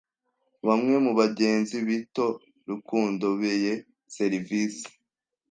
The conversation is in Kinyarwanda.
Bamwe mu bagenzi bitoRukundobeye serivisi.